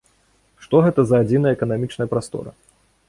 Што гэта за адзіная эканамічная прастора?